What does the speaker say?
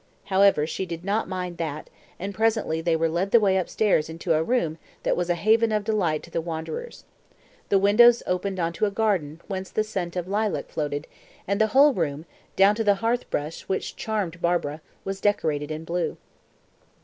However, she did not mind that, and presently they led the way upstairs to a room that was a haven of delight to the wanderers. The windows opened on to a garden whence the scent of lilac floated, and the whole room down to the hearth brush, which charmed Barbara was decorated in blue.